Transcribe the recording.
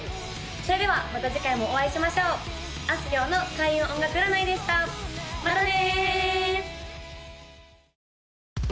それではまた次回もお会いしましょうあすきょうの開運音楽占いでしたまたね！